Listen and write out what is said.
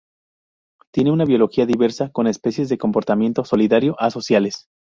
Tienen una biología diversa, con especies de comportamiento solitario a sociales.